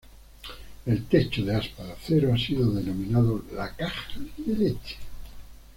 El techo de aspa de acero ha sido denominado "la caja de leche".